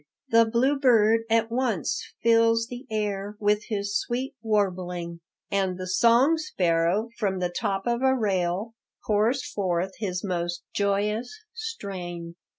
The bluebird at once fills the air with his sweet warbling, and the song sparrow, from the top of a rail, pours forth his most joyous strain."